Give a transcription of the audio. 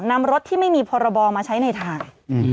นำรถที่ไม่มีพรบมาใช้ในทาง